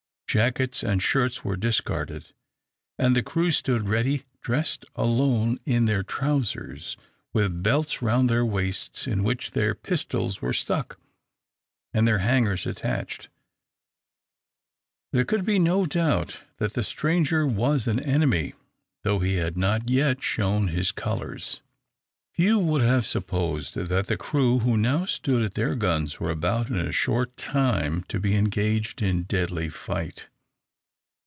Jackets and shirts were discarded, and the crew stood ready, dressed alone in their trousers, with belts round their waists in which their pistols were stuck, and their hangers attached. There could be no doubt that the stranger was an enemy, though he had not yet shown his colours. Few would have supposed that the crew who now stood at their guns were about in a short time to be engaged in deadly fight.